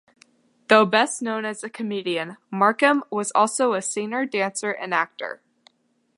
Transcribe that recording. Though best known as a comedian, Markham was also a singer, dancer, and actor.